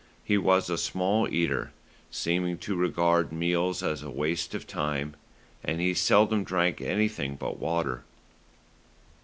He was a small eater, seeming to regard meals as a waste of time, and he seldom drank anything but water.